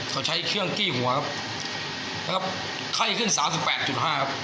เขาใช้เครื่องกี้หัวครับครับไข้ขึ้นสามสิบแปดจุดห้าครับ